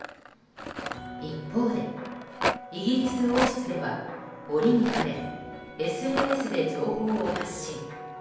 一方でイギリス王室では折に触れＳＮＳで情報を発信。